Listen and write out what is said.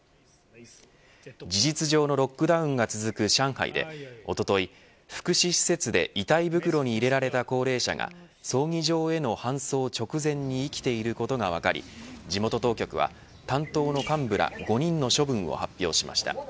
事実上のロックダウンが続く上海でおととい福祉施設で遺体袋に入れられた高齢者が葬儀場への搬送直前に生きていることが分かり地元当局は担当の幹部ら５人の処分を発表しました。